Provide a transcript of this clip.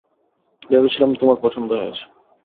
ভেবেছিলাম তোমার পছন্দ হয়েছে।